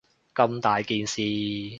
咁大件事